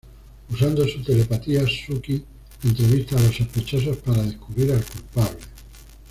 Usando su telepatía, Sookie entrevista a los sospechosos para descubrir al culpable.